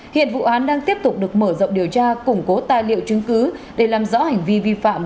hiện vụ án đang tiếp tục được mở rộng điều tra củng cố tài liệu chứng cứ để làm rõ hành vi vi phạm